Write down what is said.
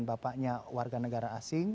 bapaknya warganegara asing